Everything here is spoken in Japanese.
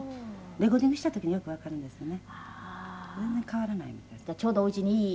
レコーディングした時によくわかるんですね。